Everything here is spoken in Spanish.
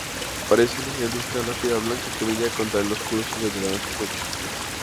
Parece una gigantesca lápida blanca que brilla contra el oscuro cielo de la noche.